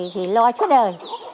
thì lo trước đời